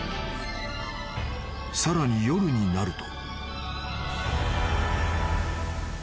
［さらに夜になると］